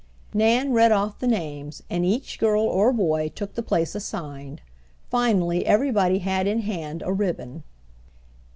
Nan read off the names, and each girl or boy took the place assigned. Finally everybody had in hand a ribbon.